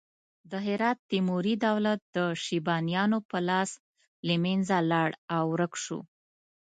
د هرات تیموري دولت د شیبانیانو په لاس له منځه لاړ او ورک شو.